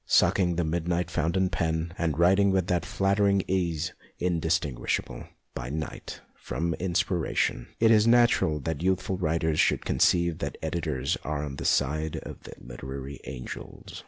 Suck ing the midnight fountain pen, and writing with that flattering ease indistinguishable, by night, from inspiration, it is natural that youthful writers should conceive that editors are on the side of the literary angels.